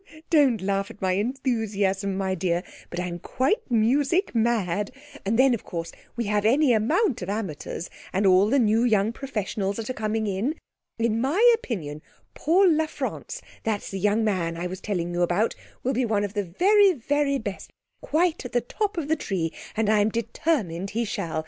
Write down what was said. don't laugh at my enthusiasm, my dear; but I'm quite music mad and then, of course, we have any amount of amateurs, and all the new young professionals that are coming on. In my opinion Paul La France, that's the young man I was telling you about, will be one of the very very best quite at the top of the tree, and I'm determined he shall.